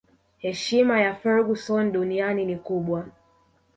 heshima ya Ferguson duniani ni kubwa